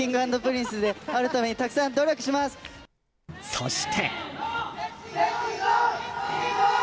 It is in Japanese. そして。